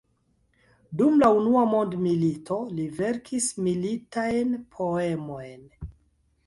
Dum la unua mondmilito li verkis militajn poemojn.